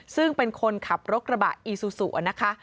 ซึ่งเป็นคนขับรถกระบะอีซูซูนะคะ